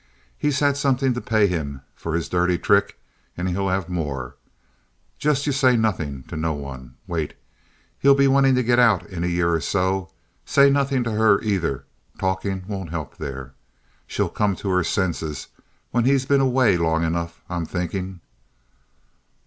He's had somethin' to pay him for his dirty trick, and he'll have more. Just ye say nothin' to no one. Wait. He'll be wantin' to get out in a year or two. Say nothin' to her aither. Talkin' won't help there. She'll come to her sinses when he's been away long enough, I'm thinkin'."